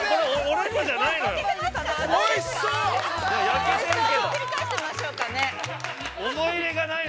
◆ひっくり返しましょう！